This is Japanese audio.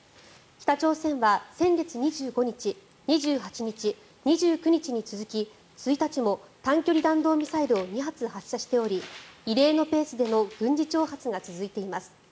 北朝鮮は先月２５日２８日、２９日に続き１日も短距離弾道ミサイルを２発発射しており異例のペースでの軍事挑発が続いています。